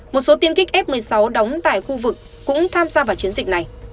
một số tiêm kích f một mươi sáu đóng tại khu vực cũng tham gia vào chiến dịch này